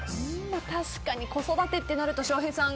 確かに、子育てってなると翔平さん